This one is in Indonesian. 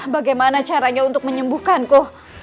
bagaimana caranya untuk menyembuhkanku